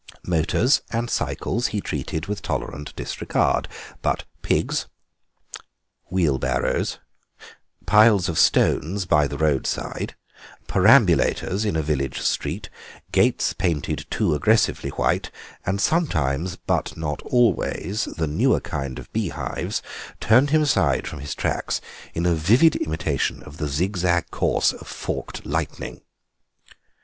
Motors and cycles he treated with tolerant disregard, but pigs, wheelbarrows, piles of stones by the roadside, perambulators in a village street, gates painted too aggressively white, and sometimes, but not always, the newer kind of beehives, turned him aside from his tracks in vivid imitation of the zigzag course of forked lightning.